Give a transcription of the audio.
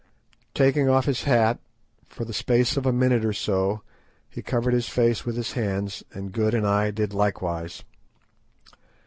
Taking off his hat, for the space of a minute or so, he covered his face with his hands, and Good and I did likewise.